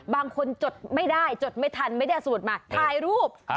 บางคนจดไม่ได้จดไม่ทันไม่ได้สมุดมาถ่ายรูป